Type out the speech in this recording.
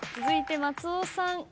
続いて松尾さん。